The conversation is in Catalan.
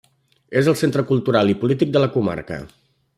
És el centre cultural i polític de la comarca.